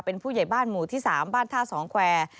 เป็นผู้ใหญ่บ้านหมู่ที่๓บ้านท่าสองแควร์